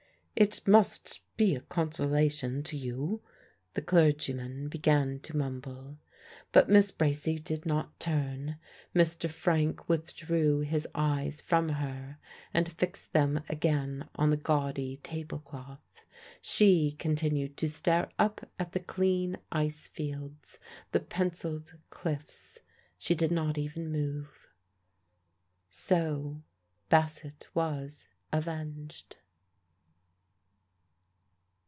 "It must be a consolation to you " the clergyman began to mumble. But Miss Bracy did not turn. Mr. Frank withdrew his eyes from her and fixed them again on the gaudy tablecloth. She continued to stare up at he clean ice fields, the pencilled cliffs. She did not even move. So Bassett was avenged.